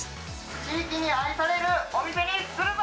地域に愛されるお店にするぞ！